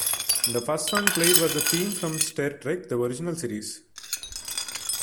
The first song played was the "Theme from Star Trek, the Original Series".